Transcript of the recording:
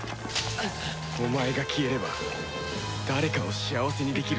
お前が消えれば誰かを幸せにできるぞ。